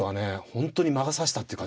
本当に魔が差したっていう感じの。